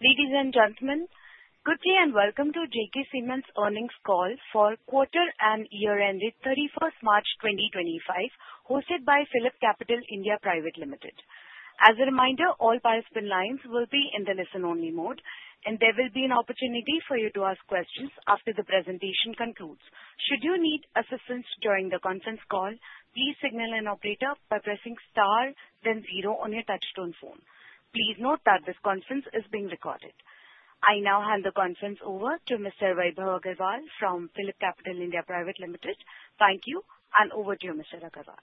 Ladies and gentlemen, good day and welcome to JK Cement's earnings call for quarter and year-end date 31st March 2025, hosted by PhillipCapital (India) Private Limited. As a reminder, all participant lines will be in the listen-only mode, and there will be an opportunity for you to ask questions after the presentation concludes. Should you need assistance during the conference call, please signal an operator by pressing star, then zero on your touch-tone phone. Please note that this conference is being recorded. I now hand the conference over to Mr. Vaibhav Agarwal from PhillipCapital (India) Private Limited. Thank you, and over to you, Mr. Agarwal.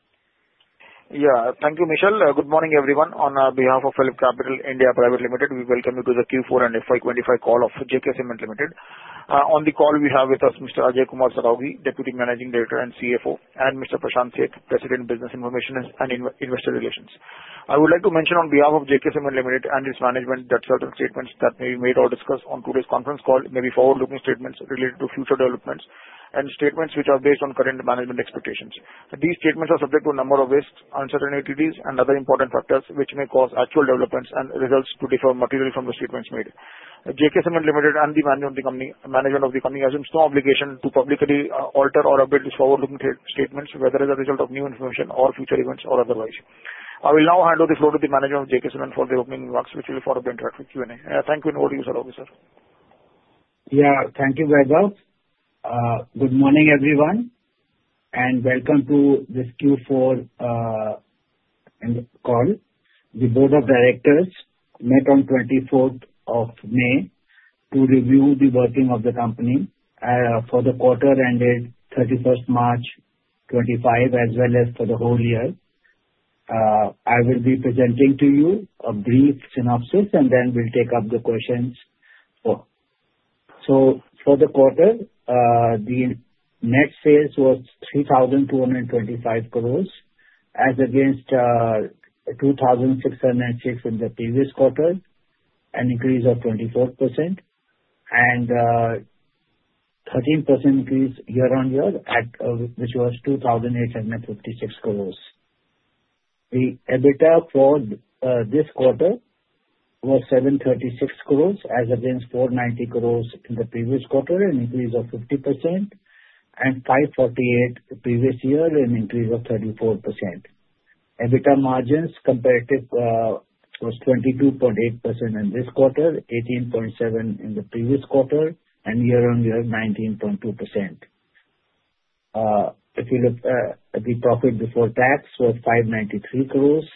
Yeah, thank you, Michelle. Good morning, everyone. On behalf of PhillipCapital (India) Private Limited, we welcome you to the Q4 and FY 2025 call of JK Cement Limited. On the call, we have with us Mr. Ajay Kumar Saraogi, Deputy Managing Director and CFO, and Mr. Prashant Seth, President of Business Information and Investor Relations. I would like to mention, on behalf of JK Cement Limited and its management, that certain statements that may be made or discussed on today's conference call may be forward-looking statements related to future developments and statements which are based on current management expectations. These statements are subject to a number of risks, uncertainties, and other important factors which may cause actual developments and results to differ materially from the statements made. JK Cement Limited and the management of the company assumes no obligation to publicly alter or update these forward-looking statements, whether as a result of new information or future events or otherwise. I will now hand over the floor to the manager of JK Cement for the opening remarks, which will be followed by interactive Q&A. Thank you, and over to you, Saraogi, sir. Yeah, thank you, Vaibhav. Good morning, everyone, and welcome to this Q4 call. The Board of Directors met on the 24th of May to review the working of the company for the quarter-end date 31st March 2025, as well as for the whole year. I will be presenting to you a brief synopsis, and then we'll take up the questions. So for the quarter, the net sales was 3,225 crores, as against 2,606 in the previous quarter, an increase of 24%, and a 13% increase year-on-year, which was 2,856 crores. The EBITDA for this quarter was 736 crores, as against 490 crores in the previous quarter, an increase of 50%, and 548 the previous year, an increase of 34%. EBITDA margins comparative was 22.8% in this quarter, 18.7% in the previous quarter, and year-on-year 19.2%. If you look at the profit before tax, it was 593 crores,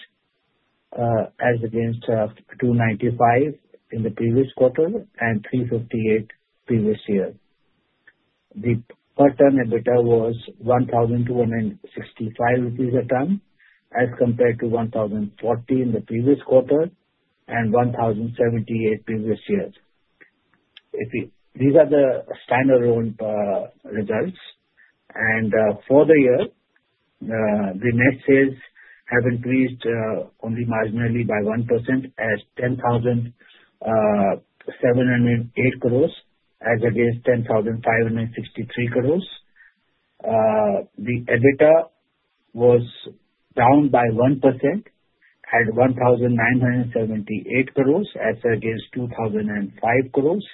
as against 295 in the previous quarter and 358 previous year. The per-ton EBITDA was 1,265 rupees a ton, as compared to 1,040 in the previous quarter and 1,078 previous year. These are the standalone results, and for the year, the net sales have increased only marginally by 1%, at 10,708 crores, as against 10,563 crores. The EBITDA was down by 1%, at 1,978 crores, as against 2,005 crores.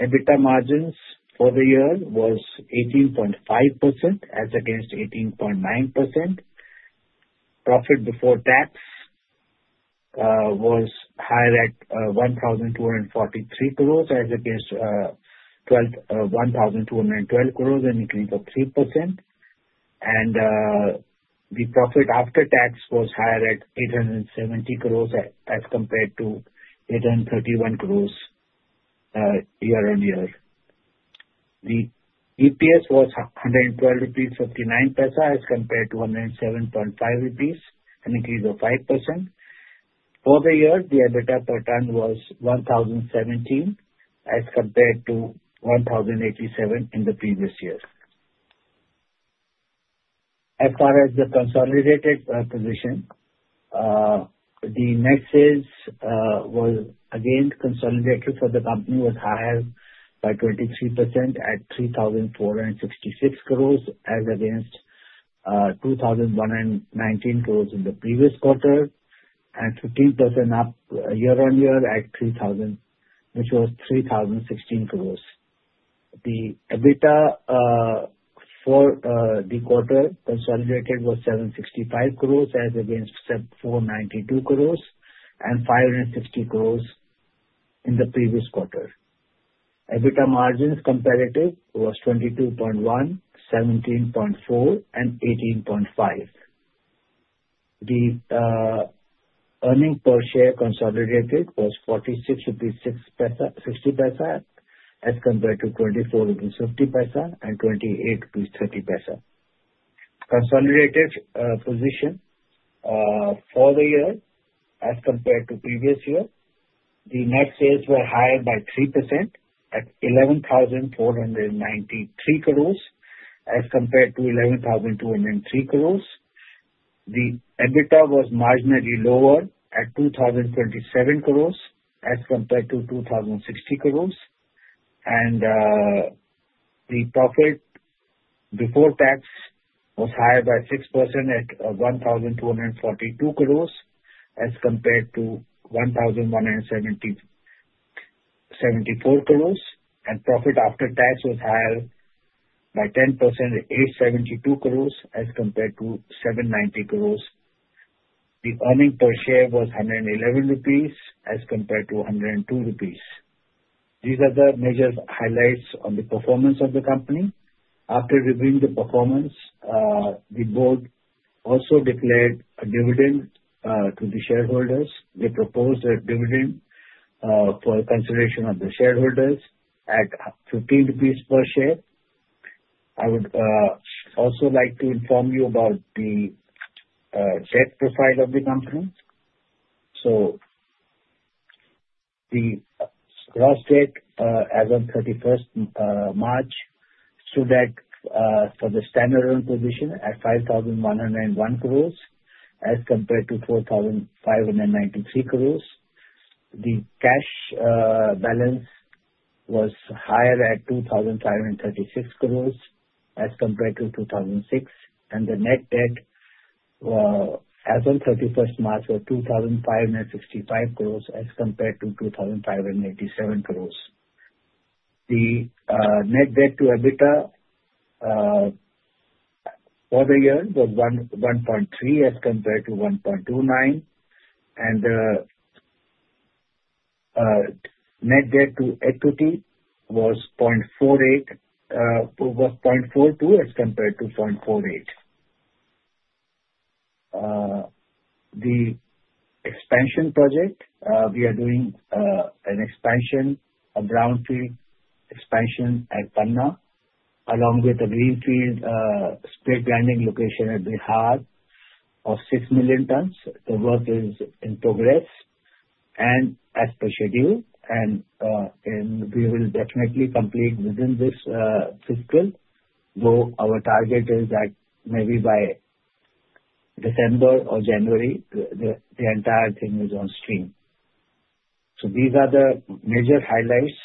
EBITDA margins for the year were 18.5%, as against 18.9%. Profit before tax was higher at 1,243 crores, as against 1,212 crores, an increase of 3%, and the profit after tax was higher at 870 crores, as compared to 831 crores year-on-year. The EPS was 112.59 rupees, as compared to 107.5 rupees, an increase of 5%. For the year, the EBITDA per ton was 1,017, as compared to 1,087 in the previous year. As far as the consolidated position, the net sales were again consolidated for the company was higher by 23% at 3,466 crores, as against 2,119 crores in the previous quarter, and 15% up year-on-year at 3,000, which was 3,016 crores. The EBITDA for the quarter consolidated was 765 crores, as against 492 crores, and 560 crores in the previous quarter. EBITDA margins comparative was 22.1%, 17.4%, and 18.5%. The earnings per share consolidated was 46 rupees should be 60%, as compared to 24 rupees that is 50% and 28 rupees is 30%. Consolidated position for the year, as compared to previous year, the net sales were higher by 3% at 11,493 crores, as compared to 11,203 crores. The EBITDA was marginally lower at 2,027 crores, as compared to 2,060 crores. The profit before tax was higher by 6% at 1,242 crores, as compared to 1,174 crores. Profit after tax was higher by 10% at 872 crores, as compared to 790 crores. The earnings per share was 111 rupees, as compared to 102 rupees. These are the major highlights on the performance of the company. After reviewing the performance, the board also declared a dividend to the shareholders. They proposed a dividend for consideration of the shareholders at 15 rupees per share. I would also like to inform you about the debt profile of the company. The gross debt as of 31st March stood at, for the stand-alone position, at 5,101 crores, as compared to 4,593 crores. The cash balance was higher at 2,536 crores, as compared to 2,006. The net debt as of 31st March was 2,565 crores, as compared to 2,587 crores. The net debt to EBITDA for the year was 1.3, as compared to 1.29. The net debt to equity was 0.42, as compared to 0.48. The expansion project, we are doing an expansion, a brownfield expansion at Panna, along with a greenfield split-grinding location at Bihar of 6 million tons. The work is in progress and as per schedule. We will definitely complete within this fiscal, though our target is that maybe by December or January, the entire thing is on stream. These are the major highlights.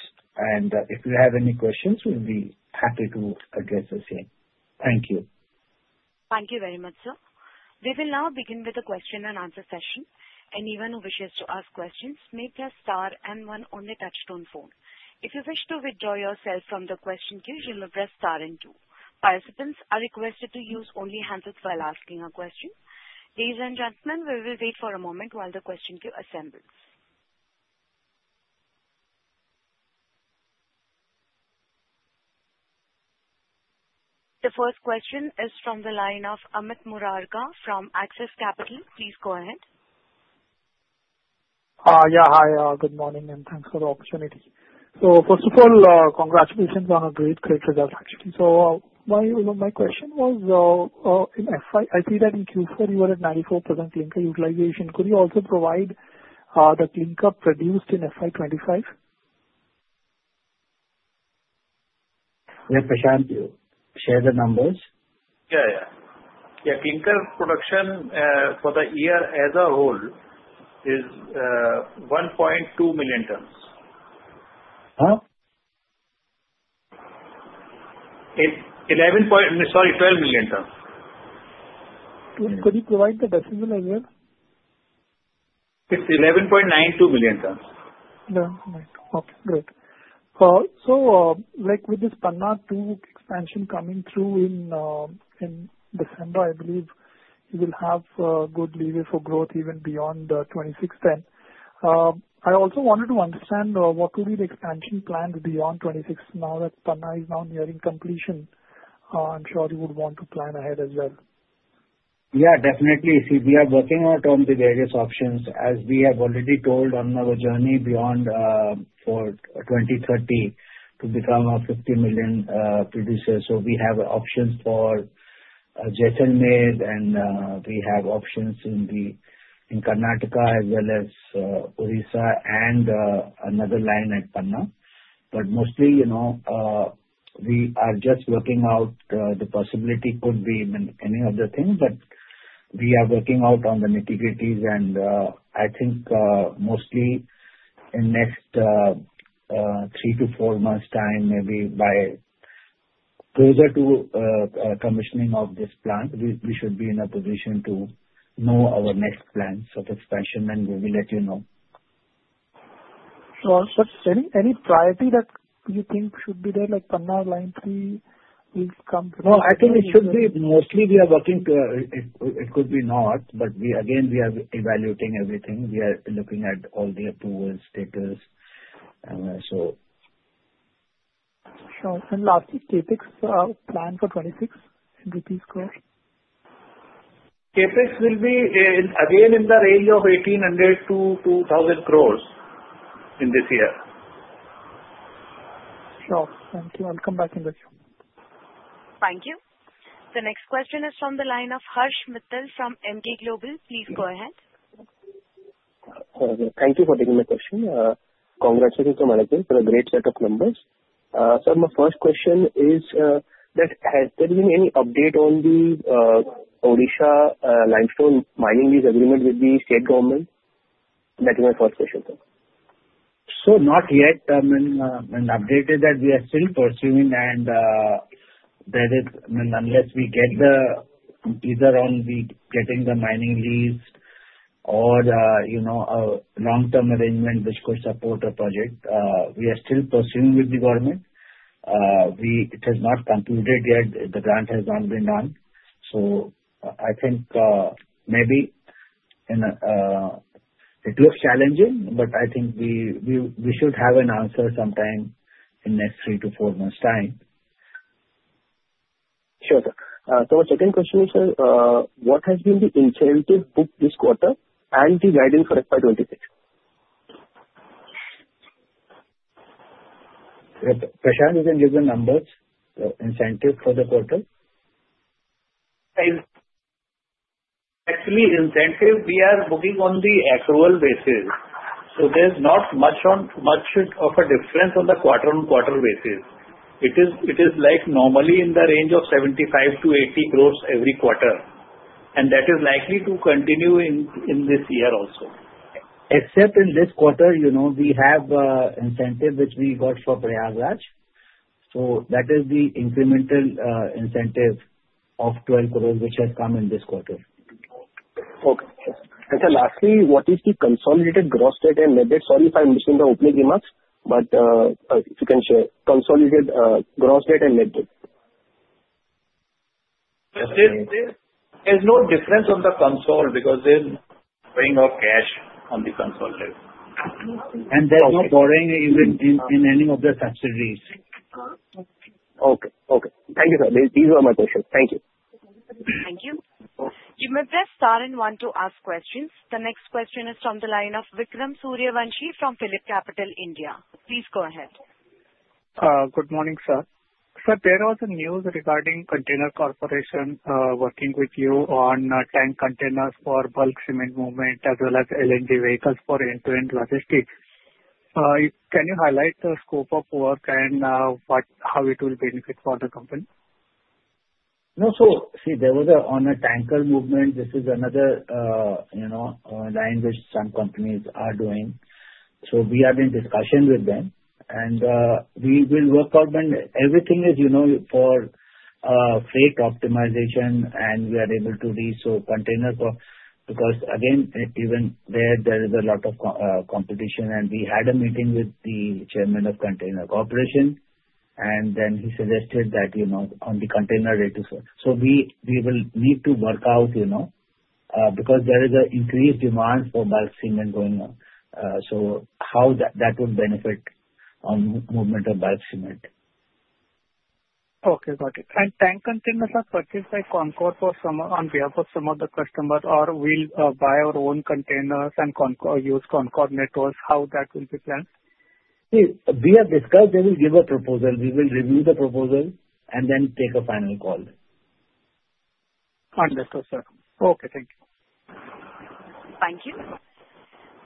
If you have any questions, we'll be happy to address the same. Thank you. Thank you very much, sir. We will now begin with the question-and-answer session. Anyone who wishes to ask questions may press star and one on the touch-tone phone. If you wish to withdraw yourself from the question queue, you may press star and two. Participants are requested to use only handset while asking a question. Ladies and gentlemen, we will wait for a moment while the question queue assembles. The first question is from the line of Amit Murarka from Axis Capital. Please go ahead. Yeah, hi. Good morning, and thanks for the opportunity. So first of all, congratulations on a great, great result, actually. So my question was, in FY, I see that in Q4 you were at 94% clinker utilization. Could you also provide the clinker produced in FY 2025? Yeah, Prashant, share the numbers. Yeah, yeah. Yeah, clinker production for the year as a whole is 1.2 million tons. Huh? 11 point, sorry, 12 million tons. Could you provide the decimal as well? It's 11.92 million tons. Okay, great. So with this Panna 2 expansion coming through in December, I believe it will have good leeway for growth even beyond the 2026 then. I also wanted to understand what would be the expansion plans beyond 2026 now that Panna is now nearing completion. I'm sure you would want to plan ahead as well. Yeah, definitely. See, we are working out on the various options, as we have already told on our journey beyond for 2030 to become a 50 million producer. So we have options for Jaisalmer, and we have options in Karnataka as well as Odisha and another line at Panna. But mostly, we are just working out the possibility could be many other things, but we are working out on the nitty-gritties. And I think mostly in the next three to four months' time, maybe by closer to commissioning of this plant, we should be in a position to know our next plans of expansion, and we will let you know. So is there any priority that you think should be there, like Panna line 3 will come? No, I think it should be mostly we are working to, it could be not, but again, we are evaluating everything. We are looking at all the approval status, so. Sure. And lastly, CapEx plan for FY 2026? CapEx will be again in the range of 1,800-2,000 crores in this year. Sure. Thank you. I'll come back in a few. Thank you. The next question is from the line of Harsh Mittal from Emkay Global. Please go ahead. Thank you for taking my question. Congratulations to management for a great set of numbers. Sir, my first question is that has there been any update on the Odisha limestone mining lease agreement with the state government? That is my first question, sir. So not yet. I mean, an update is that we are still pursuing, and that is, I mean, unless we get either the mining lease or a long-term arrangement which could support a project, we are still pursuing with the government. It has not concluded yet. The grant has not been done. So I think maybe it looks challenging, but I think we should have an answer sometime in the next three to four months' time. Sure, sir. So my second question is, sir, what has been the incentive booked this quarter and the guidance for FY 2026? Prashantt, you can give the numbers, the incentive for the quarter. Actually, incentive, we are booking on the actual basis. So there's not much of a difference on the quarter-on-quarter basis. It is like normally in the range of 75 crores-80 crores every quarter. And that is likely to continue in this year also. Except in this quarter, we have incentive which we got for Prayagraj. So that is the incremental incentive of 12 crores which has come in this quarter. Okay. And then lastly, what is the consolidated gross debt and net debt? Sorry if I'm missing the opening remarks, but if you can share. Consolidated gross debt and net debt? There's no difference on the consolidated because there's borrowing of cash on the consolidated debt. There's no borrowing in any of the subsidiaries. Okay. Okay. Thank you, sir. These were my questions. Thank you. Thank you. You may press star and one to ask questions. The next question is from the line of Vikram Suryavanshi from PhillipCapital (India). Please go ahead. Good morning, sir. Sir, there was a news regarding Container Corporation working with you on tank containers for bulk cement movement as well as LNG vehicles for end-to-end logistics. Can you highlight the scope of work and how it will benefit the company? No, so see, there was an on-the-tanker movement. This is another line which some companies are doing. So we are in discussion with them. And we will work out, but everything is for freight optimization, and we are able to resell containers because, again, even there, there is a lot of competition. And we had a meeting with the chairman of Container Corporation, and then he suggested that on the container rate too. So we will need to work out because there is an increased demand for bulk cement going on. So how that would benefit on movement of bulk cement. Okay. Got it. And tank containers are purchased by CONCOR for some on behalf of some of the customers, or we'll buy our own containers and use CONCOR networks. How that will be planned? We have discussed. They will give a proposal. We will review the proposal and then take a final call. Understood, sir. Okay. Thank you. Thank you.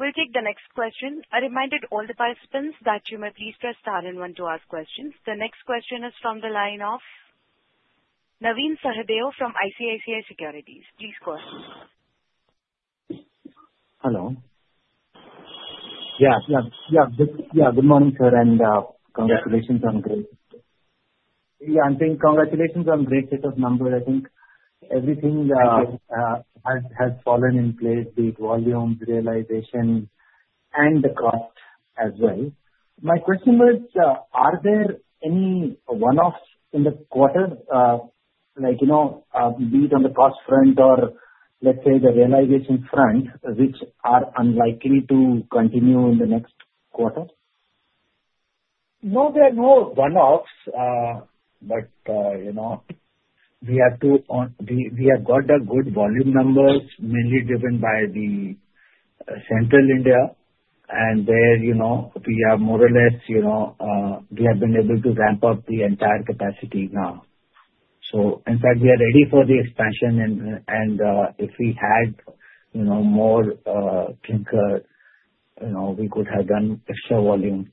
We'll take the next question. I reminded all the participants that you may please press star and one to ask questions. The next question is from the line of Navin Sahadeo from ICICI Securities. Please go ahead. Good morning, sir, and congratulations on great success. Yeah. I am saying congratulations on great set of numbers. I think everything has fallen in place, the volumes, realization, and the cost as well. My question was, are there any one-offs in the quarter, like lower on the cost front or, let's say, the realization front, which are unlikely to continue in the next quarter? No, there are no one-offs, but we have got good volume numbers, mainly driven by Central India. There, we have more or less been able to ramp up the entire capacity now. So in fact, we are ready for the expansion. If we had more clinker, we could have done extra volume.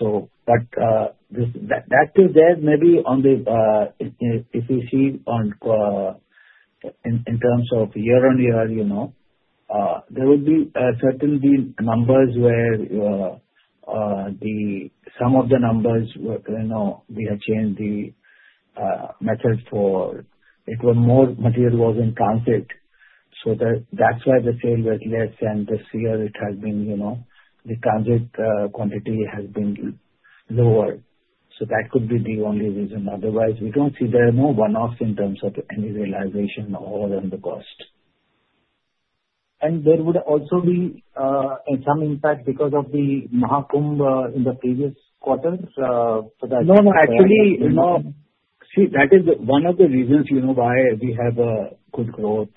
But that is there. Maybe if you see in terms of year-on-years, there will certainly be numbers where some of the numbers, we have changed the method for it. More material was in transit. So that's why the sale was less. And this year, it has been the transit quantity has been lower. So that could be the only reason. Otherwise, we don't see there are no one-offs in terms of any realization or on the cost. And there would also be some impact because of the Mahakumbh in the previous quarter. So that. No, no. Actually, see, that is one of the reasons why we have good growth,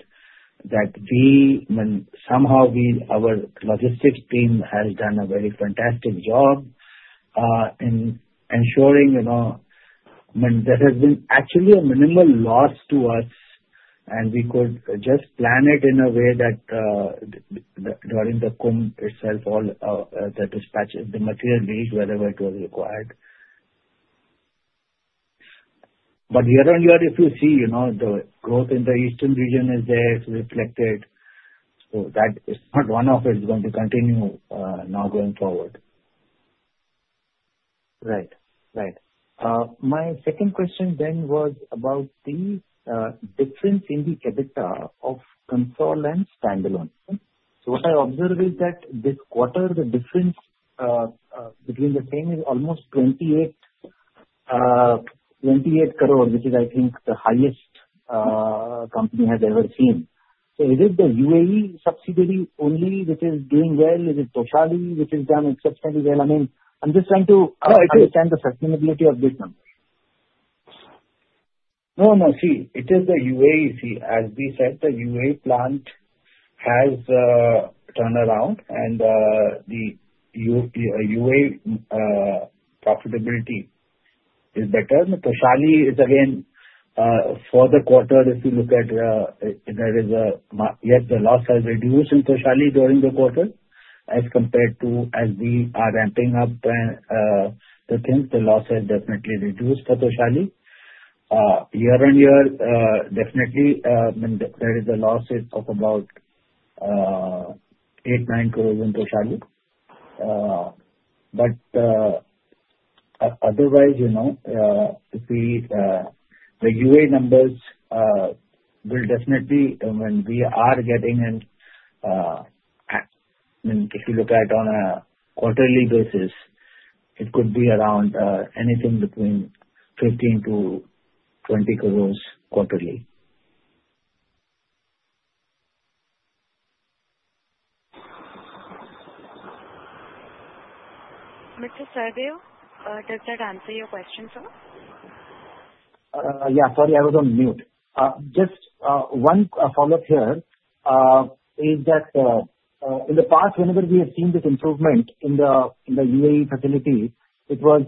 that somehow our logistics team has done a very fantastic job in ensuring there has been actually a minimal loss to us. We could just plan it in a way that during the Kumbh itself, the dispatches, the material needs, whatever it was required. year-on-years, if you see the growth in the eastern region is there, it's reflected. That one-off is going to continue now going forward. Right. Right. My second question then was about the difference in the EBITDA of Consolidated and Standalone. What I observed is that this quarter, the difference between the same is almost 28 crores, which is, I think, the highest the company has ever seen. Is it the UAE subsidiary only which is doing well? Is it Toshali which has done exceptionally well? I mean, I'm just trying to understand the sustainability of this number. No, no. See, it is the UAE. See, as we said, the UAE plant has turned around, and the UAE profitability is better. Toshali is, again, for the quarter, if you look at, yes, the loss has reduced in Toshali during the quarter as compared to we are ramping up the things, the loss has definitely reduced for Toshali. year-on-years, definitely, there is a loss of about 8 crores-9 crores in Toshali. But otherwise, the UAE numbers will definitely, when we are getting in, if you look at it on a quarterly basis, it could be around anything between INR 15 crores-INR 20 crores quarterly. Mr. Sahadeo, does that answer your question, sir? Yeah. Sorry, I was on mute. Just one follow-up here is that in the past, whenever we have seen this improvement in the UAE facility, it was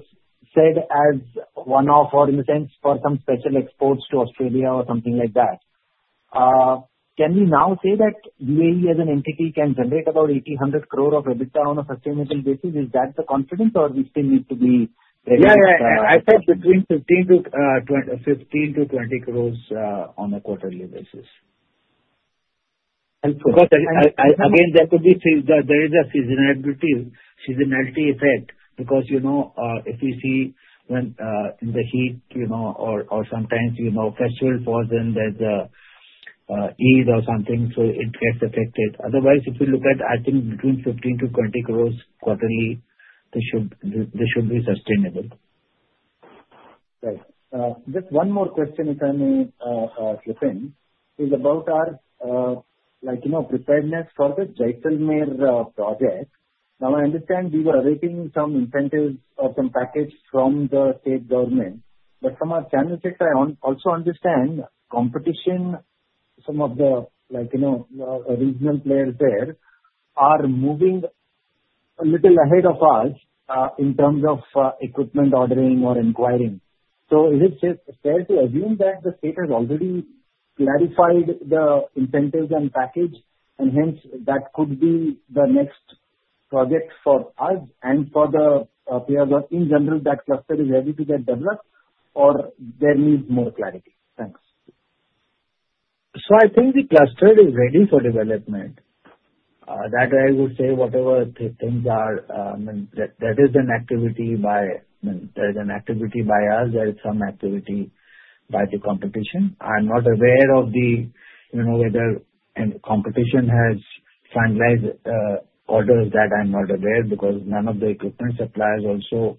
said as one-off or in the sense for some special exports to Australia or something like that. Can we now say that UAE as an entity can generate about 1,800 crore of EBITDA on a sustainability basis? Is that the confidence, or we still need to be ready? Yeah, yeah. I said between 15 crores-20 crores on a quarterly basis. Helpful. Because, again, there is a seasonality effect because if you see in the heat or sometimes festivals for them, there's a ease or something, so it gets affected. Otherwise, if you look at, I think, between 15 crores-20 crores quarterly, they should be sustainable. Right. Just one more question, if I may slip in, is about our preparedness for the Jaisalmer project. Now, I understand we were awaiting some incentives or some package from the state government. But from our channel checks, I also understand competition, some of the regional players there are moving a little ahead of us in terms of equipment ordering or inquiring. So is it fair to assume that the state has already clarified the incentives and package, and hence that could be the next project for us and for the players in general that cluster is ready to get developed, or there needs more clarity? Thanks. So I think the cluster is ready for development. That, I would say, whatever things are, that is an activity by us. There is some activity by the competition. I'm not aware of whether competition has finalized orders. That, I'm not aware, because none of the equipment suppliers also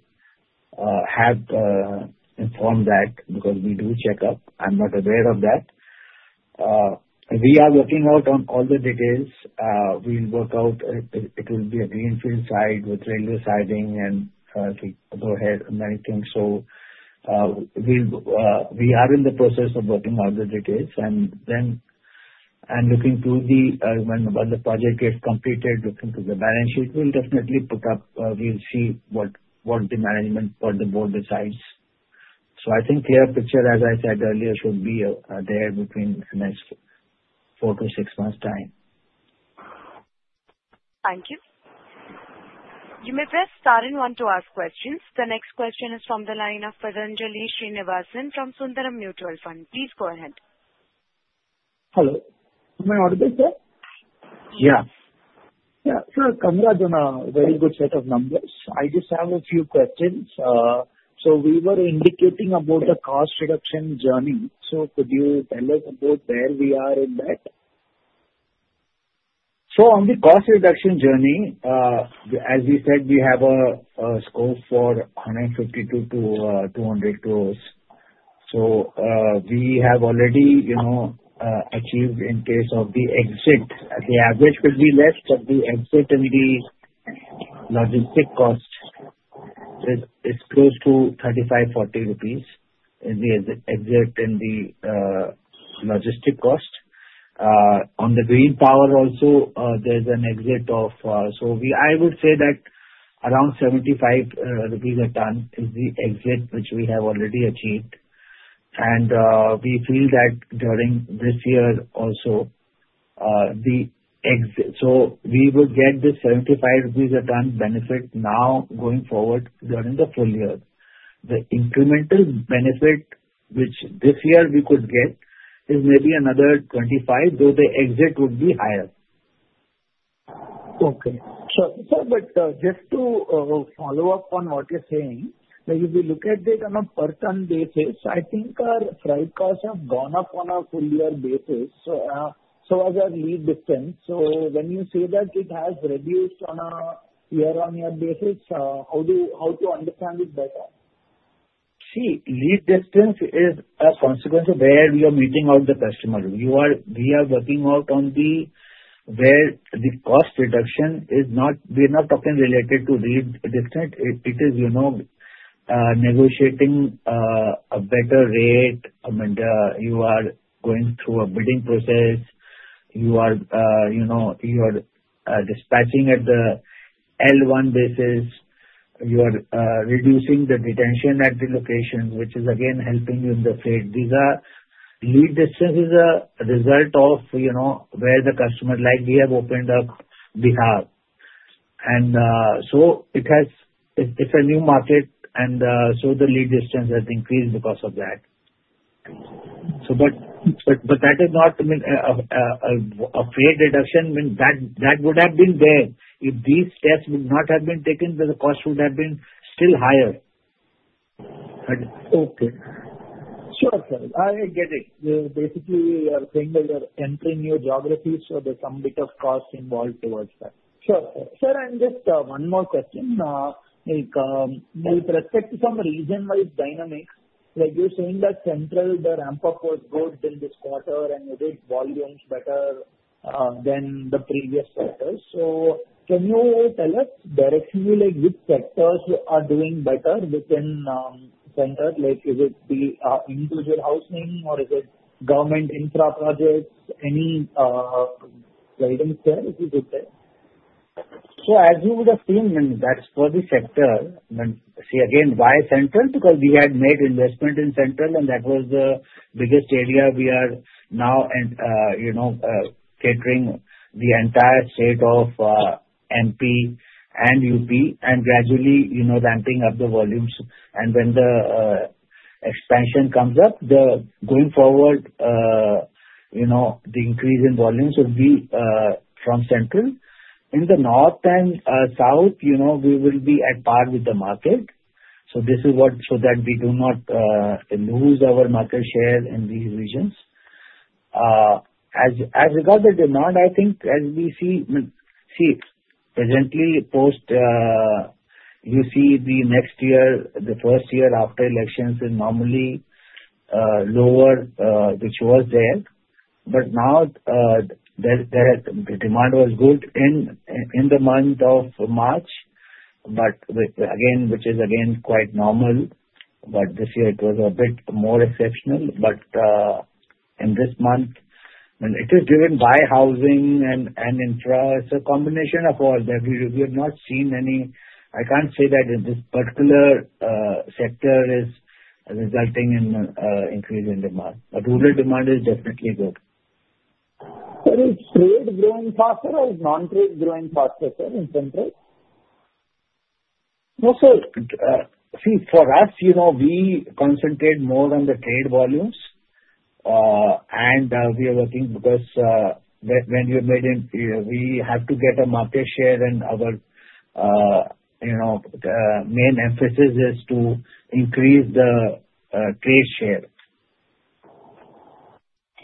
have informed that because we do check up. I'm not aware of that. We are working out on all the details. We'll work out. It will be a greenfield site with railway siding and go ahead and anything. So we are in the process of working out the details. And then, looking to when the project gets completed, looking to the balance sheet, we'll definitely put up. We'll see what the management or the board decides. So I think clear picture, as I said earlier, should be there between the next four to six months' time. Thank you. You may press star and one to ask questions. The next question is from the line of Pathanjali Srinivasan from Sundaram Mutual Fund. Please go ahead. Hello. My audience here? Yeah. Yeah. So Company has done a very good set of numbers. I just have a few questions. So we were indicating about the cost reduction journey. So could you tell us about where we are in that? So on the cost reduction journey, as we said, we have a scope for 152 crores-200 crores. So we have already achieved in case of the exit. The average will be less, but the exit and the logistics cost is close to 35-40 rupees in the exit and the logistics cost. On the green power also, there's an exit, so I would say that around 75 rupees a ton is the exit which we have already achieved. And we feel that during this year also, the exit, so we will get the 75 rupees a ton benefit now going forward during the full year. The incremental benefit, which this year we could get, is maybe another 25, though the exit would be higher. Okay. Sir, but just to follow up on what you're saying, if you look at it on a per ton basis, I think our freight costs have gone up on a full year basis. So as our lead distance, so when you say that it has reduced on a year-on-year basis, how to understand it better? See, lead distance is a consequence of where we are meeting our customer. We are working on the cost reduction. It's not related to lead distance. It is negotiating a better rate. You are going through a bidding process. You are dispatching at the L1 basis. You are reducing the detention at the location, which is, again, helping you in the freight. These lead distances are a result of where the customer like we have opened up Bihar. And so it's a new market, and so the lead distance has increased because of that. But that is not a freight reduction. That would have been there. If these steps would not have been taken, the cost would have been still higher. Okay. Sure, sir. I get it. Basically, you are saying that you are entering new geographies, so there's some bit of cost involved towards that. Sure. Sir, I have just one more question. With respect to some regional dynamics, you're saying that Central, the ramp-up was good in this quarter, and you did volumes better than the previous quarters. So can you tell us directly which sectors are doing better within Central? Is it the individual housing, or is it government infra projects? Any guidance there? Is it there? So as you would have seen, that's for the sector. See, again, why Central? Because we had made investment in Central, and that was the biggest area we are now catering the entire state of MP and UP, and gradually ramping up the volumes. And when the expansion comes up, going forward, the increase in volumes will be from Central. In the north and south, we will be at par with the market. So this is what so that we do not lose our market share in these regions. As regards the demand, I think as we see, presently, post you see the next year, the first year after elections is normally lower, which was there. But now, the demand was good in the month of March, but again, which is quite normal. But this year, it was a bit more exceptional. But in this month, it is driven by housing and infra. It's a combination of all. We have not seen any. I can't say that in this particular sector is resulting in increase in demand. But rural demand is definitely good. So is trade growing faster or is non-trade growing faster, sir, in Central? No, sir. See, for us, we concentrate more on the trade volumes. And we are working because when we made in we have to get a market share, and our main emphasis is to increase the trade share.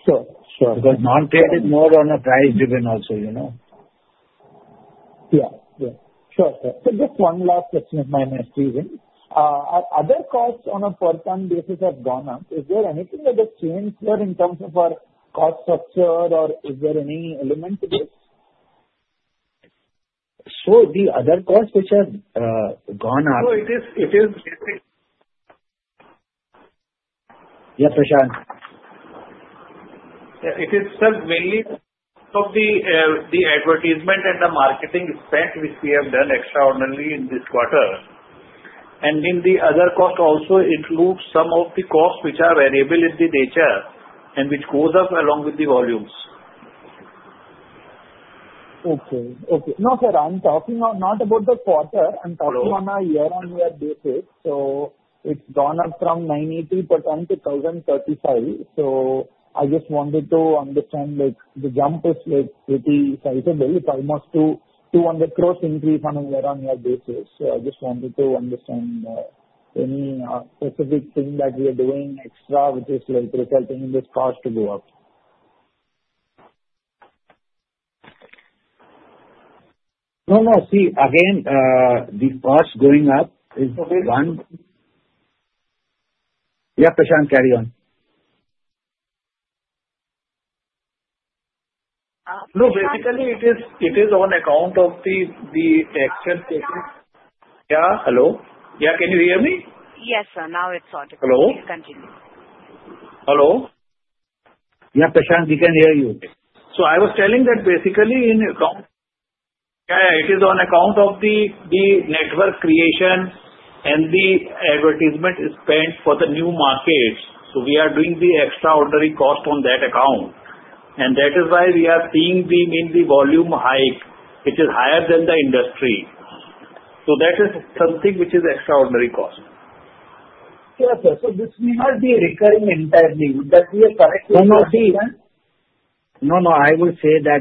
Sure. Sure. Because non-trade is more on a price-driven also. Yeah. Yeah. Sure. So just one last question of mine, Mr. Saraogi. Are other costs on a per ton basis have gone up? Is there anything that has changed, sir, in terms of our cost structure, or is there any element to this? So the other cost which has gone up. It is basically. Yeah, Prashantt. Yeah. It is, sir, mainly of the advertisement and the marketing expense which we have done extraordinarily in this quarter. And then the other cost also includes some of the costs which are variable in the nature and which goes up along with the volumes. Okay. No, sir, I'm talking not about the quarter. I'm talking on a year-on-year basis. So it's gone up from 980 per ton to 1,035. So I just wanted to understand the jump is pretty sizable, almost 200 crores increase on a year-on-year basis. So I just wanted to understand any specific thing that we are doing extra which is resulting in this cost to go up. No, no. See, again, the cost going up is one. Okay. Yeah, Prashantt, carry on. No, basically, it is on account of the extension, yeah? Hello? Yeah, can you hear me? Yes, sir. Now it's audible. Hello? Please continue. Hello? Yeah, Prashantt, we can hear you. So I was telling that basically in account yeah, it is on account of the network creation and the advertisement spent for the new markets. So we are doing the extraordinary cost on that account. And that is why we are seeing the volume hike, which is higher than the industry. So that is something which is extraordinary cost. Yeah, sir. So this may not be recurring entirely. Would that be a correct way to understand? No, no. I would say that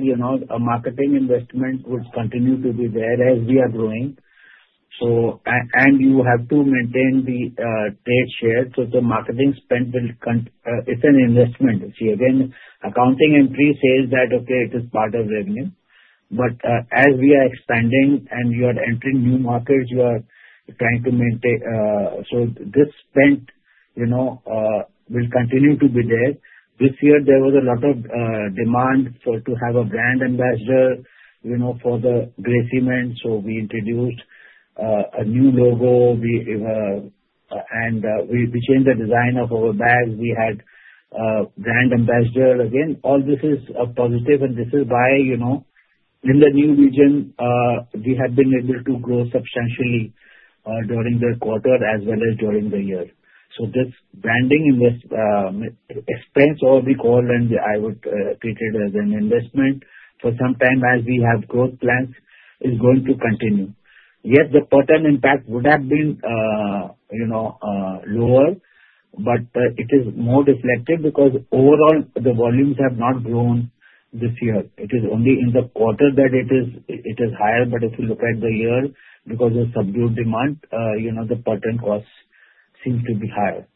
marketing investment would continue to be there as we are growing, and you have to maintain the trade share, so the marketing spend will. It's an investment. See, again, accounting entry says that, okay, it is part of revenue, but as we are expanding and you are entering new markets, you are trying to maintain so this spend will continue to be there. This year, there was a lot of demand to have a brand ambassador for the grey cement, so we introduced a new logo, and we changed the design of our bag. We had a brand ambassador. Again, all this is a positive, and this is why in the new region, we have been able to grow substantially during the quarter as well as during the year. So this branding expense, or we call, and I would treat it as an investment for some time as we have growth plans, is going to continue. Yes, the per ton impact would have been lower, but it is more reflective because overall, the volumes have not grown this year. It is only in the quarter that it is higher, but if you look at the year, because of subdued demand, the per ton cost seems to be higher.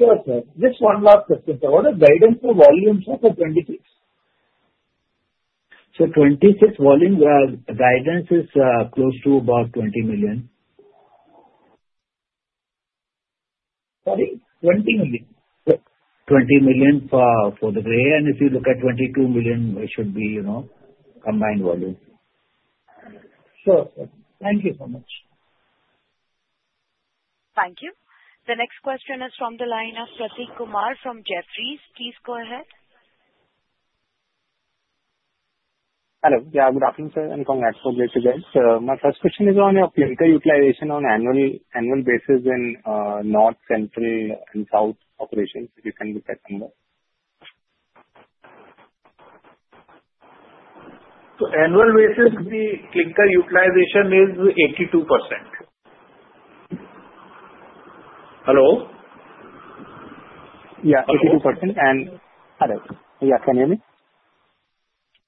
Sure, sir. Just one last question, sir. What are guidance for volumes for 2026? 2026 volume guidance is close to about 20 million. Sorry? 20 million? 20 million for the grey. And if you look at 22 million, it should be combined volume. Sure, sir. Thank you so much. Thank you. The next question is from the line of Prateek Kumar from Jefferies. Please go ahead. Hello. Yeah, good afternoon, sir. And comrades. So great to be here. So my first question is on your clinker utilization on annual basis in North, Central, and South operations. If you can look at number. So, annual basis, the clinker utilization is 82%. Hello? Yeah, 82%. And. Hello. Yeah, can you hear me?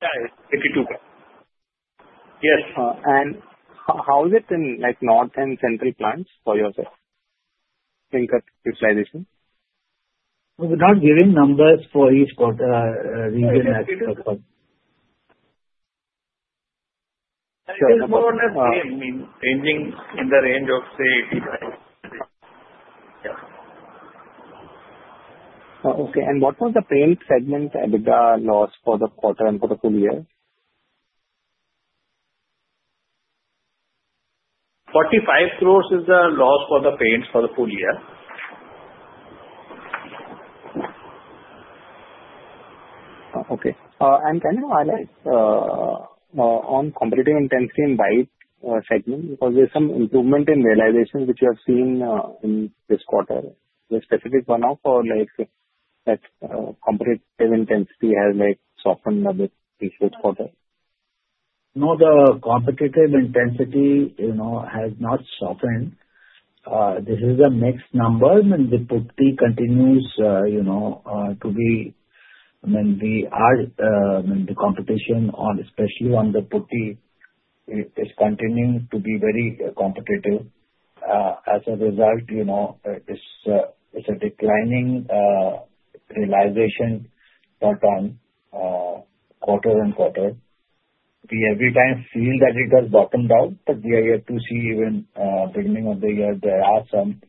Yeah, 82%. Yes. How is it in North and Central plants for your clinker utilization? We're not giving numbers for each region as per. Sorry. It's more or less same. I mean, ranging in the range of, say, 85. Yeah. Okay. And what was the paint segment added loss for the quarter and for the full year? 45 crores is the loss for the paint for the full year. Okay. And can you highlight on competitive intensity and white segment? Because there's some improvement in realization which you have seen in this quarter. Is there a specific one-off or that competitive intensity has softened a bit this quarter? No, the competitive intensity has not softened. This is a mixed number. I mean, the putty continues to be I mean, the competition, especially on the putty, is continuing to be very competitive. As a result, it's a declining realization per ton quarter on quarter. We every time feel that it has bottomed out, but we are yet to see even beginning of the year, there are some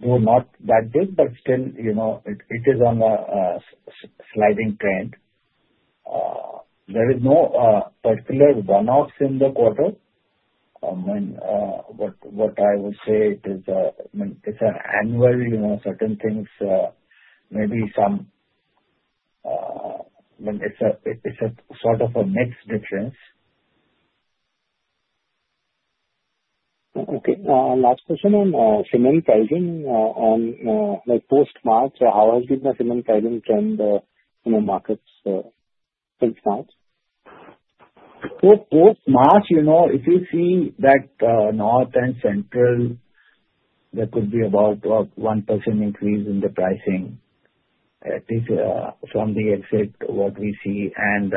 though not that big, but still it is on a sliding trend. There is no particular one-offs in the quarter. I mean, what I would say, it is an annual certain things, maybe some it's a sort of a mixed difference. Okay. Last question on cement pricing on post-March. How has been the cement pricing trend in the markets since March? So post-March, if you see that North and Central, there could be about a 1% increase in the pricing, at least from the exit, what we see. And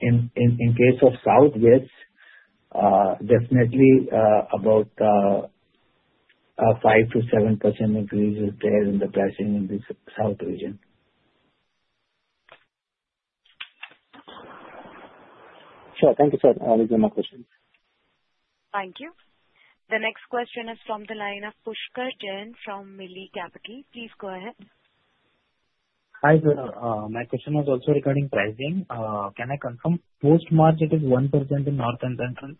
in case of South, yes, definitely about a 5 %-7% increase is there in the pricing in the South region. Sure. Thank you, sir. That is my question. Thank you. The next question is from the line of Pushkar Jain from Mili Capital. Please go ahead. Hi, sir. My question is also regarding pricing. Can I confirm post-March, it is 1% in North and Central,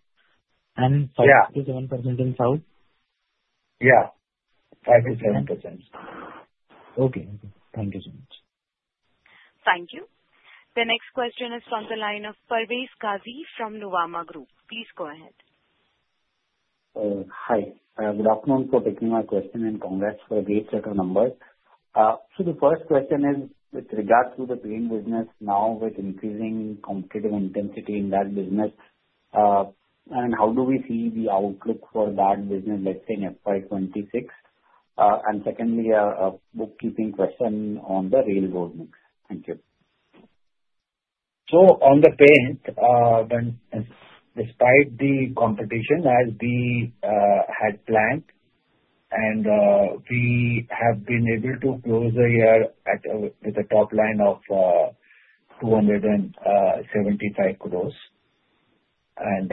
and 5%-7% in South? Yeah. 5%-7%. Okay. Thank you so much. Thank you. The next question is from the line of Parvez Qazi from Nuvama Group. Please go ahead. Hi. Good afternoon, thank you for taking my question, and congrats for the Q4 set of numbers. So the first question is with regards to the grey business now with increasing competitive intensity in that business, and how do we see the outlook for that business, let's say in FY 2026? And secondly, a bookkeeping question on the rail-road mix. Thank you. So, on the paint, despite the competition as we had planned, and we have been able to close the year with a top line of 275 crores. And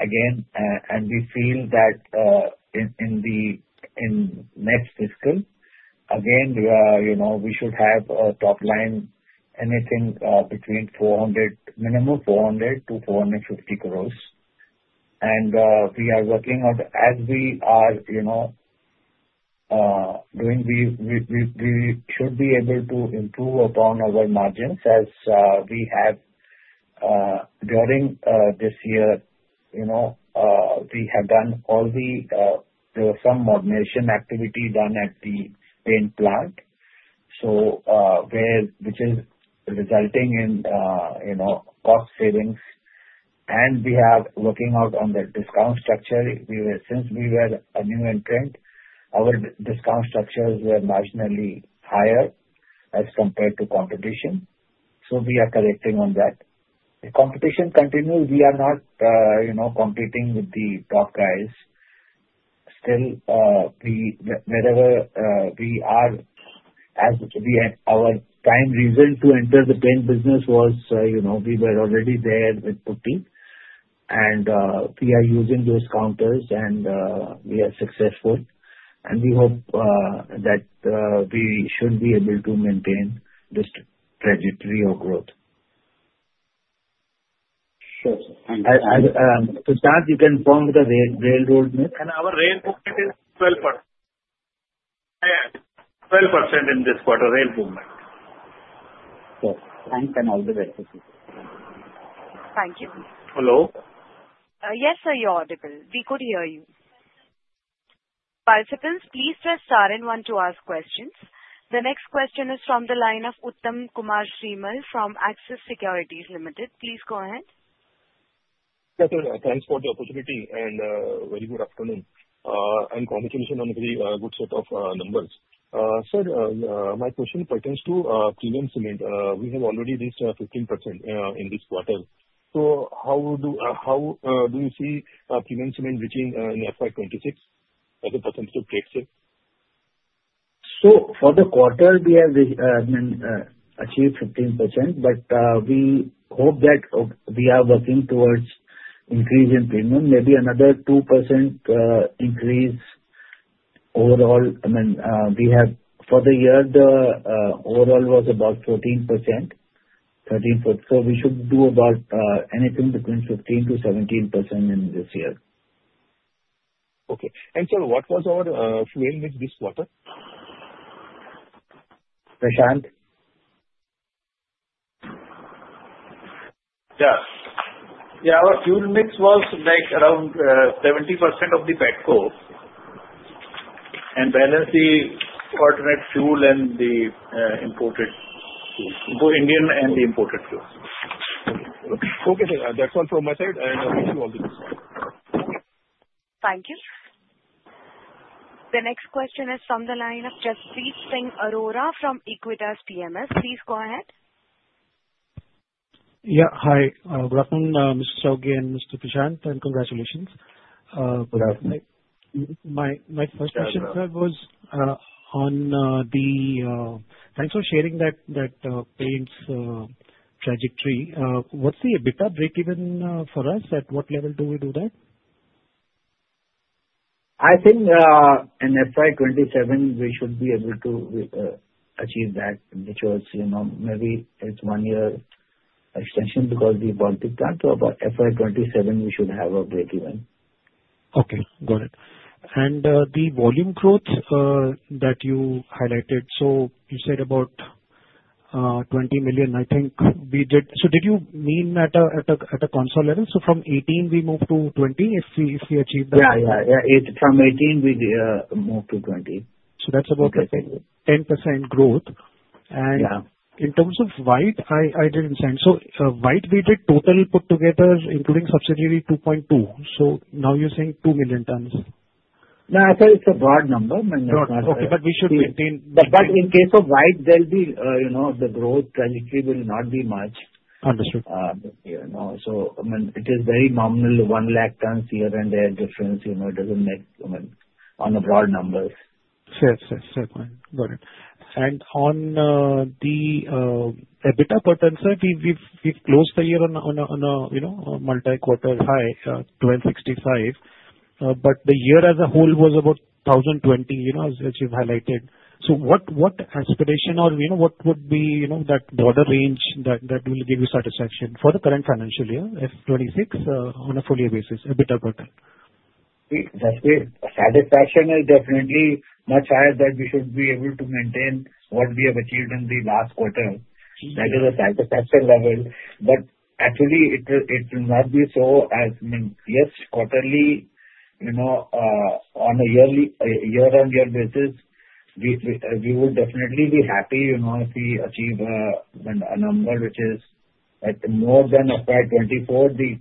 again, we feel that in next fiscal, again, we should have a top line, anything between minimum 400 crores-450 crores. And we are working on as we are doing, we should be able to improve upon our margins as we have during this year. We have done all the there was some moderation activity done at the paint plant, which is resulting in cost savings. And we are working out on the discount structure. Since we were a new entrant, our discount structures were marginally higher as compared to competition. So we are correcting on that. The competition continues. We are not competing with the top guys. Still, wherever we are, our prime reason to enter the paint business was we were already there with putty. And we are using those counters, and we are successful. And we hope that we should be able to maintain this trajectory of growth. Sure. Thank you. Prashantt, you can form the railroad mix. Our rail movement is 12%. Yeah, 12% in this quarter rail movement. Sure. Thanks and all the best. Thank you. Hello? Yes, sir. You're audible. We could hear you. Participants, please press star and one to ask questions. The next question is from the line of Uttam Kumar Srimal from Axis Securities Limited. Please go ahead. Yes, sir. Thanks for the opportunity and very good afternoon. And congratulations on a very good set of numbers. Sir, my question pertains to premium cement. We have already reached 15% in this quarter. So how do you see premium cement reaching in FY 2026 as a percentage of trade share? So, for the quarter, we have achieved 15%, but we hope that we are working towards increase in premium. Maybe another 2% increase overall. I mean, for the year, the overall was about 14%. So we should do about anything between 15%-17% in this year. Okay, and sir, what was our fuel mix this quarter? Prashant? Yeah. Yeah, our fuel mix was around 70% of the petcoke and balanced the alternate fuel and the imported fuel. Indian and the imported fuel. Okay. Okay, sir. That's all from my side and thank you all the best. Thank you. The next question is from the line of Jaspreet Singh Arora from Equentis. Please go ahead. Yeah. Hi. Good afternoon, Mr. Saraogi and Mr. Prashantt. And congratulations. My first question, sir, was on the thanks for sharing that paints trajectory. What's the EBITDA break-even for us? At what level do we do that? I think in FY 2027, we should be able to achieve that, which was maybe it's one-year extension because we brought it down to about FY 2027, we should have a breakeven. Okay. Got it. And the volume growth that you highlighted, so you said about 20 million. I think we did, so did you mean at a consolidated level? So from 18, we move to 20 if we achieve that? Yeah, yeah, yeah. From 18, we move to 20. So that's about 10% growth. And in terms of white, I didn't understand. So white, we did total put together, including subsidiary, 2.2. So now you're saying 2 million tons? No, I said it's a broad number. I mean. Okay, but we should maintain. But in case of white, there'll be the growth trajectory will not be much. Understood. So I mean, it is very nominal, 1 lakh tons here and there difference. It doesn't make on a broad number. Fair point. Got it. And on the EBITDA per ton, sir, we've closed the year on a multi-quarter high, 1265. But the year as a whole was about 1,020, as you've highlighted. So what aspiration or what would be that broader range that will give you satisfaction for the current financial year, FY 2026, on a full-year basis, EBITDA per ton? Satisfaction is definitely much higher, that we should be able to maintain what we have achieved in the last quarter. That is a satisfaction level. But actually, it will not be so, as I mean, yes, quarterly, on a year-on-year basis, we would definitely be happy if we achieve a number which is at more than FY 2024, the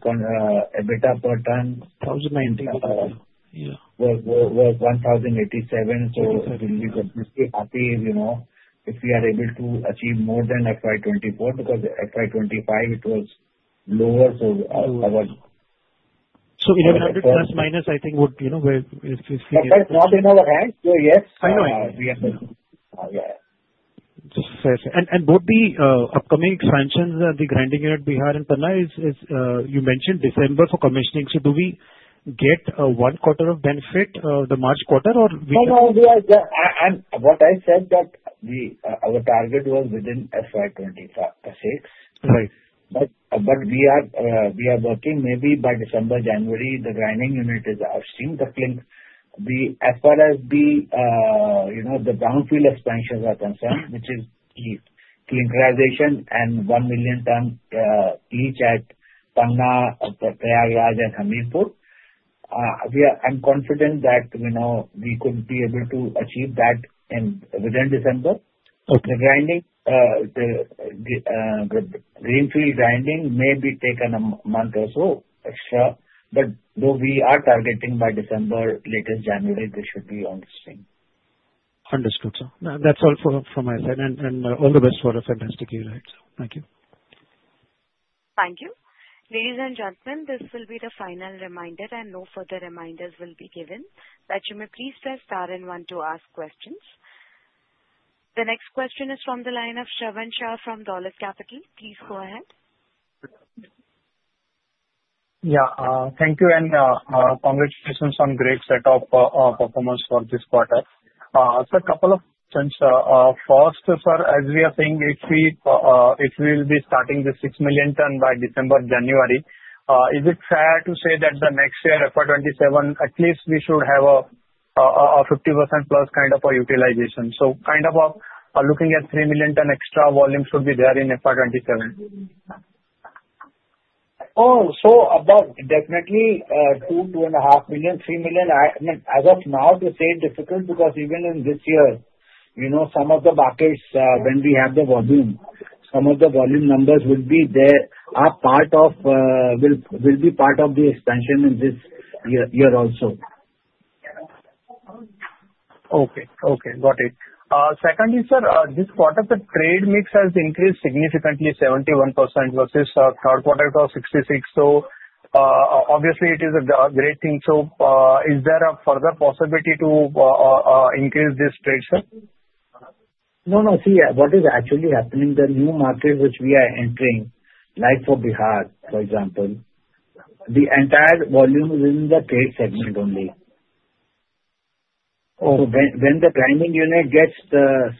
EBITDA per ton. 1,090. Yeah. Was 1,087. So we'll be happy if we are able to achieve more than FY 2024 because FY 2025, it was lower. So our. 100 plus or minus, I think, would if we. That's not in our hands, so yes. I know. Yeah. Fair. Fair. And both the upcoming expansions, the grinding here at Bihar and Panna, you mentioned December for commissioning. So do we get one quarter of benefit, the March quarter, or we can? No, no. What I said that our target was within FY 2026. Right. But we are working maybe by December, January, the grinding unit is out. Seeing the clinker, as far as the brownfield expansions are concerned, which is clinkerization and one million tons each at Panna, Prayagraj, and Hamirpur, I'm confident that we could be able to achieve that within December. The greenfield grinding may be taken a month or so extra. But though we are targeting by December, latest January, they should be on stream. Understood, sir. That's all from my side. And all the best for a fantastic year, right? So thank you. Thank you. Ladies and gentlemen, this will be the final reminder, and no further reminders will be given. But you may please press star and one to ask questions. The next question is from the line of Shravan Shah from Dolat Capital. Please go ahead. Yeah. Thank you. And congratulations on great setup performance for this quarter. Sir, a couple of questions. First, sir, as we are saying, if we will be starting the 6 million ton by December, January, is it fair to say that the next year, FY 2027, at least we should have a 50%+ kind of a utilization? So kind of looking at 3 million ton extra volume should be there in FY 2027. Oh, so about definitely 2, 2.5 million, 3 million. I mean, as of now, to say difficult because even in this year, some of the buckets, when we have the volume, some of the volume numbers will be there, will be part of the expansion in this year also. Okay. Okay. Got it. Secondly, sir, this quarter, the trade mix has increased significantly, 71% versus third quarter of 2026. So obviously, it is a great thing. So is there a further possibility to increase this trade, sir? No, no. See, what is actually happening, the new market which we are entering, like for Bihar, for example, the entire volume is in the trade segment only. So, when the grinding unit gets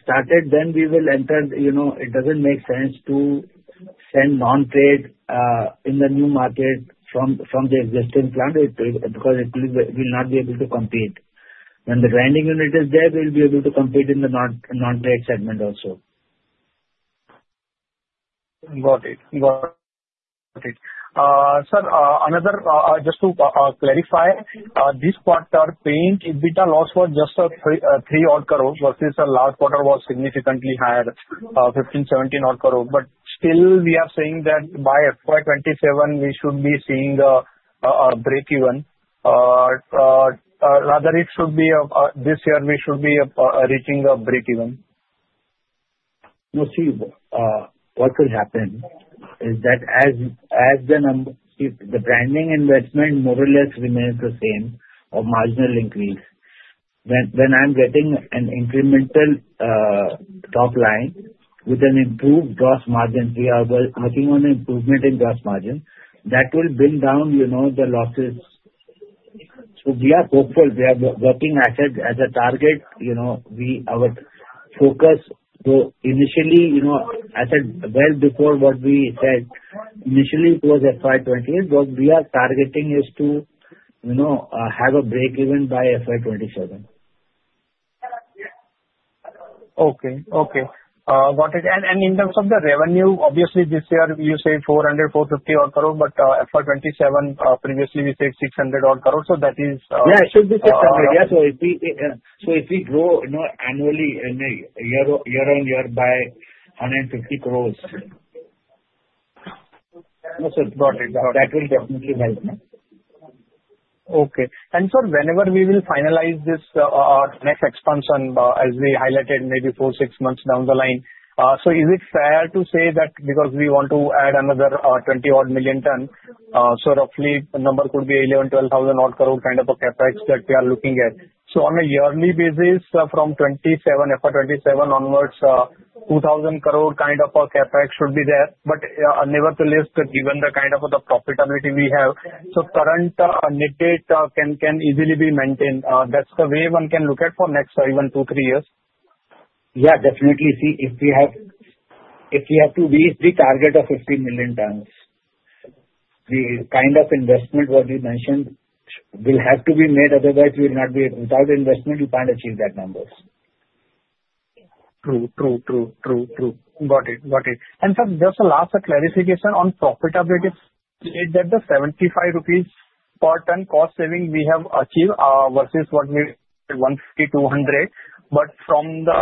started, then we will enter. It doesn't make sense to send non-trade in the new market from the existing plant because it will not be able to compete. When the grinding unit is there, we'll be able to compete in the non-trade segment also. Got it. Got it. Sir, just to clarify, this quarter, paint EBITDA loss for just 3-odd crores versus last quarter was significantly higher, 15-17-odd crores. But still, we are saying that by FY 2027, we should be seeing a break-even. Rather, it should be this year, we should be reaching a break-even. No, see, what could happen is that as the grinding investment more or less remains the same or marginal increase, when I'm getting an incremental top line with an improved gross margin, we are working on improvement in gross margin, that will bring down the losses. So we are hopeful. We are working as a target. Our focus, though, initially, as I said well before what we said, initially, it was FY 2028, what we are targeting is to have a break-even by FY 2027. Okay. Okay. Got it. And in terms of the revenue, obviously, this year, you say 400 crores-450 odd crores, but FY 2027, previously, we said 600 odd crores. So that is. Yeah, it should be 600. Yeah. So if we grow annually, year-on-year, by INR 150 crores. No, sir. Got it. That will definitely help me. Okay. And sir, whenever we will finalize this next expansion, as we highlighted, maybe four, six months down the line, so is it fair to say that because we want to add another 20-odd million ton, so roughly number could be 11-12 thousand-odd crores kind of a CapEx that we are looking at, so on a yearly basis, from FY 2027 onwards, 2,000 crores kind of a CapEx should be there. But nevertheless, given the kind of profitability we have, so current net debt can easily be maintained. That's the way one can look at for next even two, three years. Yeah. Definitely. See, if we have to reach the target of 15 million tons, the kind of investment what we mentioned will have to be made. Otherwise, without investment, you can't achieve that numbers. True. True. True. True. True. Got it. Got it. And sir, just to last clarification on profitability, is that the 75 rupees per ton cost saving we have achieved versus what we said, 150, 200? But from the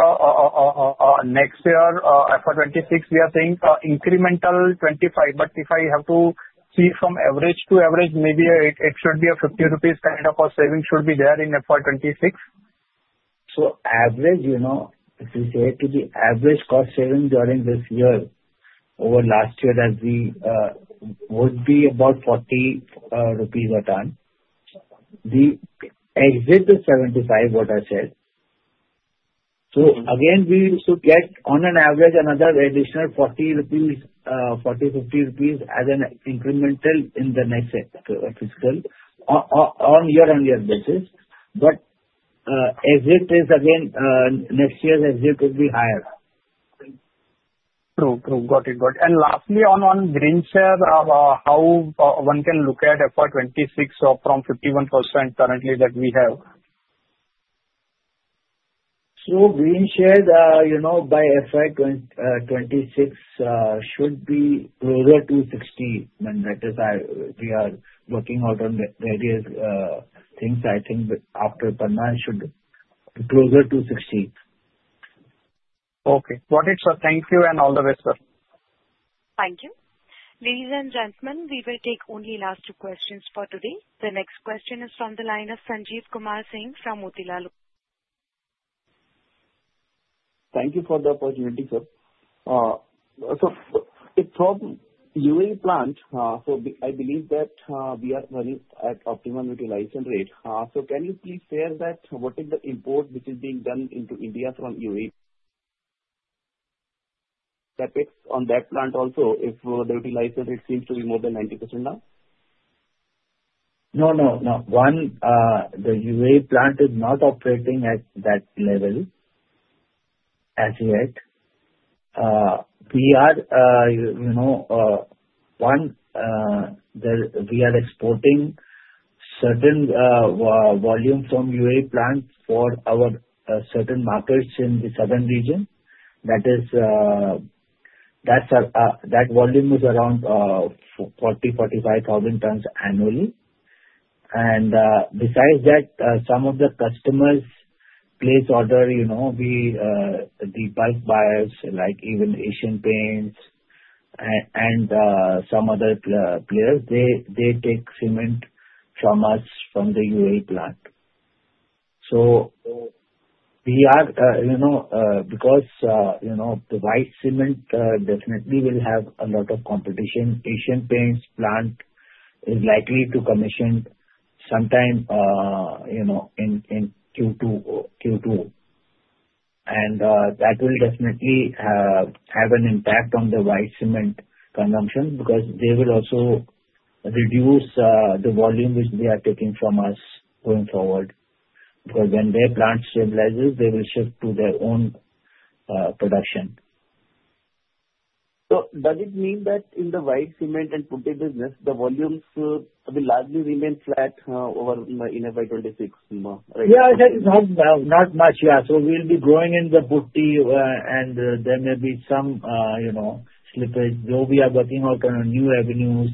next year, FY 2026, we are saying incremental 25. But if I have to see from average to average, maybe it should be a 50 rupees kind of a saving should be there in FY 2026? So, average, if we say to the average cost saving during this year, over last year, that would be about 40 rupees a ton. We exit the 75, what I said. So again, we should get on an average another additional 40 rupees, 40, 50 rupees as an incremental in the next fiscal on year-on-year basis. But exit is again, next year's exit will be higher. True. Got it. And lastly, on grey share, how one can look at FY 2026 from 51% currently that we have? So green share by FY 2026 should be closer to 60. That is why we are working out on various things. I think after Panna, it should be closer to 60. Okay. Got it, sir. Thank you and all the best, sir. Thank you. Ladies and gentlemen, we will take only last two questions for today. The next question is from the line of Sanjeev Kumar Singh from Motilal. Thank you for the opportunity, sir. So UAE plant, so I believe that we are running at optimal utilization rate. So can you please share that what is the import which is being done into India from UAE? CapEx on that plant also, if the utilization rate seems to be more than 90% now? No, no, no. The UAE plant is not operating at that level as yet. We are exporting certain volume from UAE plant for our certain markets in the southern region. That volume is around 40-45 thousand tons annually. And besides that, some of the customers place order, the bulk buyers, like even Asian Paints and some other players, they take cement from us from the UAE plant. So we are because the white cement definitely will have a lot of competition. Asian Paints plant is likely to commission sometime in Q2. And that will definitely have an impact on the white cement consumption because they will also reduce the volume which they are taking from us going forward. Because when their plant stabilizes, they will shift to their own production. So does it mean that in the white cement and putty business, the volumes will largely remain flat over in FY 2026? Yeah. Not much. Yeah. So we'll be growing in the putty and there may be some slippage. Though we are working out on new avenues,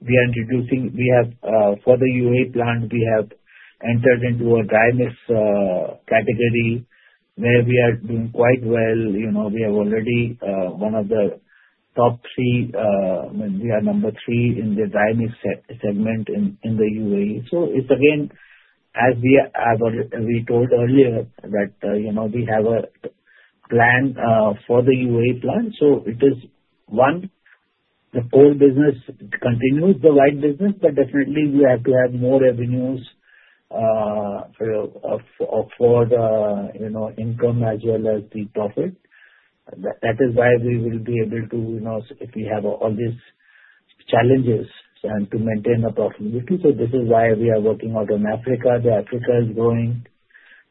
we are introducing for the UAE plant. We have entered into a dry mix category where we are doing quite well. We have already one of the top three. We are number three in the dry mix segment in the UAE. So it's again, as we told earlier, that we have a plan for the UAE plant. So it is one, the core business continues the white business, but definitely, we have to have more avenues for income as well as the profit. That is why we will be able to, if we have all these challenges, and to maintain a profitability. So this is why we are working out on Africa. The Africa is growing,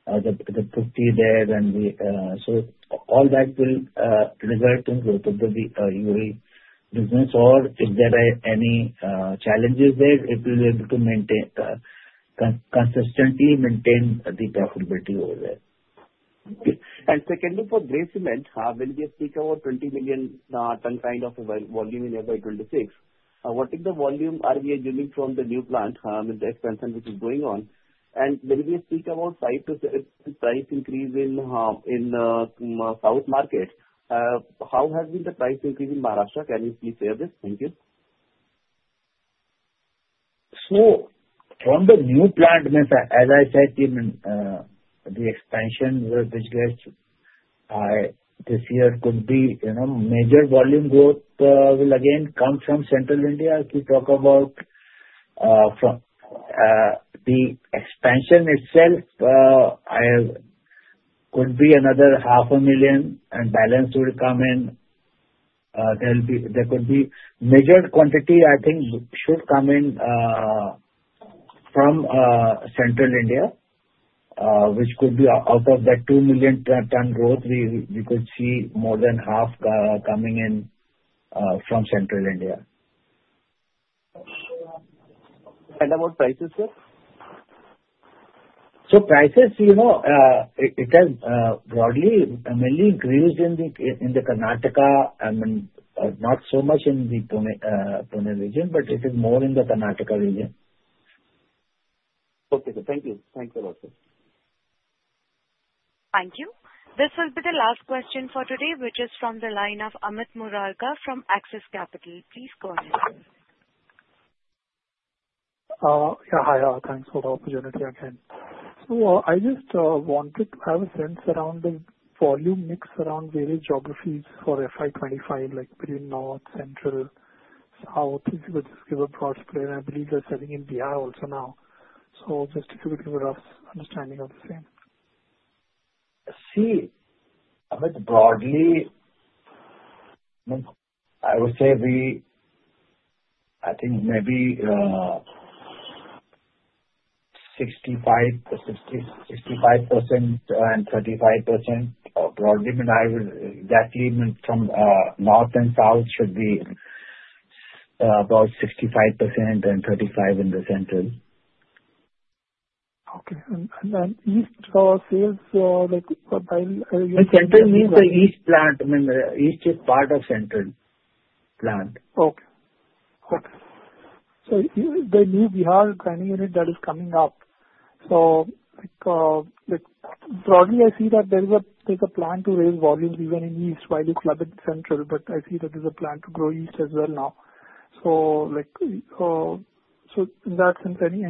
the putty there. So all that will result in growth of the UAE business. Or if there are any challenges there, it will be able to consistently maintain the profitability over there. Okay. And secondly, for gray cement, when we speak about 20 million ton kind of volume in FY 2026, what is the volume are we assuming from the new plant, the expansion which is going on? And when we speak about 5%-7% price increase in the south market, how has been the price increase in Maharashtra? Can you please share this? Thank you. From the new plant, as I said, the expansion which gets this year could be major volume growth will again come from Central India. If you talk about the expansion itself, it could be another 500,000 and balance will come in. There could be measured quantity, I think, should come in from Central India, which could be out of that 2 million-ton growth, we could see more than half coming in from Central India. About prices, sir? So prices, it has broadly mainly increased in Karnataka. I mean, not so much in the Pune region, but it is more in the Karnataka region. Okay. Thank you. Thanks a lot, sir. Thank you. This will be the last question for today, which is from the line of Amit Murarka from Axis Capital. Please go ahead. Yeah. Hi. Thanks for the opportunity again. So I just wanted to have a sense around the volume mix around various geographies for FY 2025, like Pune North, Central, South. If you could just give a broad split, and I believe they're selling in Bihar also now. So just if you could give a rough understanding of the same. See, broadly, I would say we, I think, maybe 65% and 35% broadly. I mean, exactly from north and south should be about 65% and 35% in the central. Okay. And then East sales like by. Central means the east plant. I mean, east is part of central plant. Okay. Okay. So the new Bihar grinding unit that is coming up. So broadly, I see that there's a plan to raise volume even in East while you club it Central. But I see that there's a plan to grow East as well now. So in that sense, any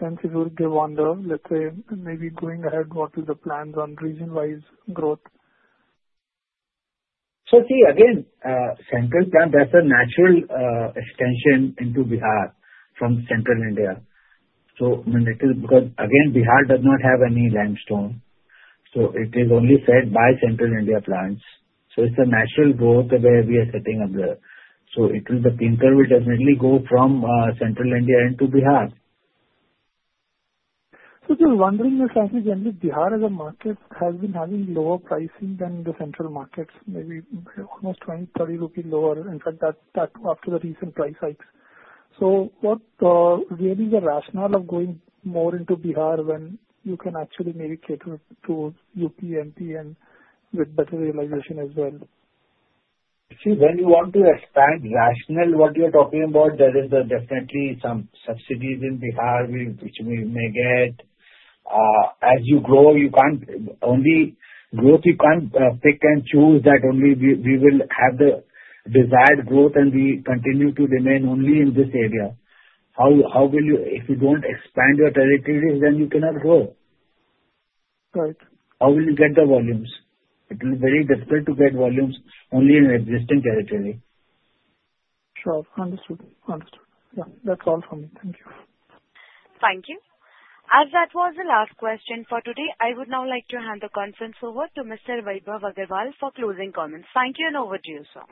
sense you would give on the, let's say, maybe going ahead, what is the plans on region-wise growth? So see, again, central plant, that's a natural extension into Bihar from Central India. So again, Bihar does not have any limestone. So it is only fed by Central India plants. So the clinker will definitely go from Central India into Bihar. So just wondering if, frankly, Bihar as a market has been having lower pricing than the central markets, maybe almost 20-30 rupees lower, in fact, after the recent price hikes. So what really is the rationale of going more into Bihar when you can actually maybe cater to UPMT and with better realization as well? See, when you want to expand rationally, what you're talking about, there is definitely some subsidies in Bihar which we may get. As you grow, you can't only grow, you can't pick and choose that only we will have the desired growth and we continue to remain only in this area. How will you grow if you don't expand your territories, then you cannot grow? Right. How will you get the volumes? It will be very difficult to get volumes only in existing territory. Sure. Understood. Understood. Yeah. That's all from me. Thank you. Thank you. As that was the last question for today, I would now like to hand the conference over to Mr. Vaibhav Agarwal for closing comments. Thank you and over to you, sir.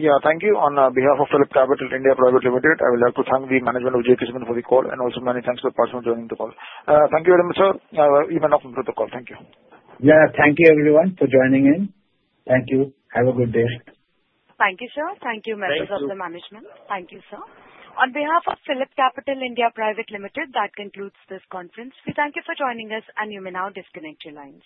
Yeah. Thank you. On behalf of PhillipCapital (India) Private Limited, I would like to thank the management of JK Cement for the call and also many thanks to the person joining the call. Thank you very much, sir. You may now conclude the call. Thank you. Yeah. Thank you, everyone, for joining in. Thank you. Have a good day. Thank you, sir. Thank you, members of the management. Thank you. Thank you, sir. On behalf of PhillipCapital (India) Private Limited, that concludes this conference. We thank you for joining us, and you may now disconnect your lines.